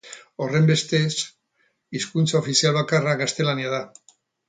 Horrenbestez, hizkuntza ofizial bakarra gaztelania da.